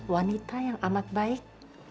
wanita yang amat baik